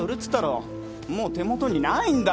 もう手もとにないんだよ！